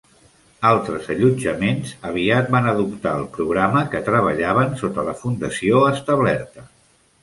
Altres allotjaments aviat van adoptar el programa, que treballaven sota la fundació establerta.